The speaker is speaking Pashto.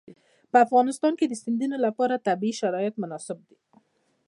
په افغانستان کې د سیندونه لپاره طبیعي شرایط مناسب دي.